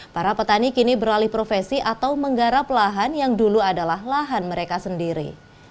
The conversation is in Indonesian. para petani kini beralih profesi atau menggarap lahan yang dulu adalah lahan mereka sendiri